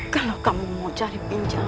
kalau kamu mau cari pinjal